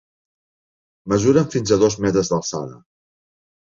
Mesuren fins a dos metres d'alçada.